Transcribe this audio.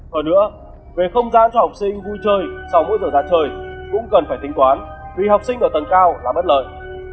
hơn nữa về không gian cho học sinh vui chơi sau mỗi giờ ra chơi cũng cần phải tính toán vì học sinh ở tầng cao là bất lợi